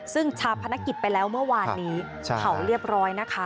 ซึ่งชาพนักกิจไปแล้วเมื่อวานนี้เผาเรียบร้อยนะคะ